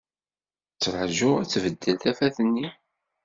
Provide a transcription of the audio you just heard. Ttṛajuɣ ad tbeddel tafat-nni.